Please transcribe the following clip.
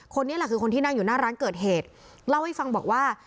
คนนี้แหละคือคนที่นั่งอยู่หน้าร้านเกิดเหตุเล่าให้ฟังบอกว่า